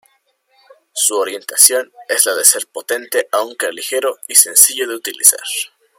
Su orientación es la de ser potente aunque ligero y sencillo de utilizar.